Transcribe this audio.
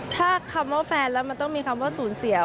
ถ้าคำว่าแฟนแล้วมันต้องมีคำว่าสูญเสีย